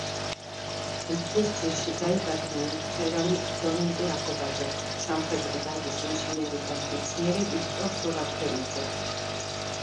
მთისძირში დაიბადნენ მწერალი დომენტი ახობაძე, სამხედრო დარგის ინჟინერი და მეცნიერი ვიქტორ სულაქველიძე.